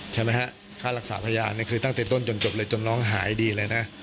ใช่ไหมฮะค่ารักษาพยานคือตั้งแต่ต้นจนจบเลยจนน้องหายดีเลยนะ